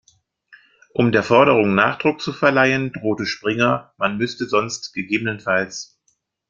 Um der Forderung Nachdruck zu verleihen, drohte Springer, man müsste sonst ggf.